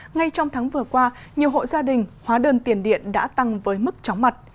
ngay trong tháng vừa qua nhiều hộ gia đình hóa đơn tiền điện đã tăng với mức chóng mặt